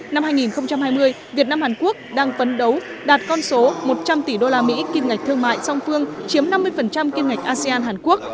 năm hai nghìn hai mươi việt nam hàn quốc đang phấn đấu đạt con số một trăm linh tỷ usd kim ngạch thương mại song phương chiếm năm mươi kim ngạch asean hàn quốc